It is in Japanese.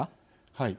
はい。